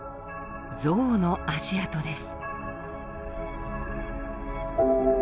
ゾウの足跡です。